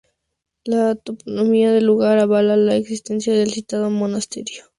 La toponimia del lugar avala la existencia del citado monasterio.